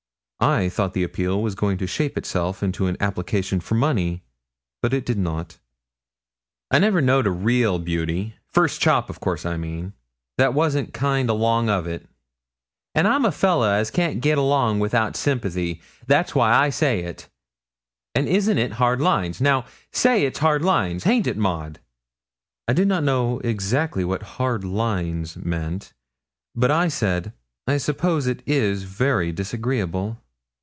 I thought the appeal was going to shape itself into an application for money; but it did not. 'I never know'd a reel beauty first chop, of course, I mean that wasn't kind along of it, and I'm a fellah as can't git along without sympathy that's why I say it an' isn't it hard lines? Now, say it's hard lines haint it, Maud?' I did not know exactly what hard lines meant, but I said 'I suppose it is very disagreeable.'